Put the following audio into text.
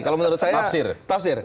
kalau menurut saya tafsir